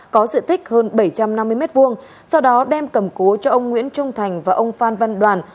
có diện tích hơn bảy trăm năm mươi m hai sau đó đem cầm cố cho ông nguyễn trung thành và ông phan văn đoàn